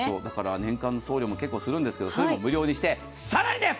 年間の送料も結構するんですけれども、そういうのも無料にして、更にです！